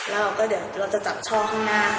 แล้วก็เดี๋ยวเราจะจับช่อข้างหน้า